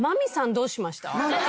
どうしました？